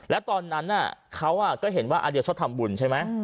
แล้วตอนนั้นเขาก็เห็นว่าอาเดียชอบทำบุญใช่ไหม